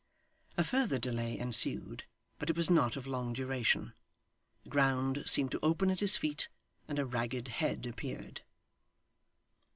A further delay ensued, but it was not of long duration. The ground seemed to open at his feet, and a ragged head appeared.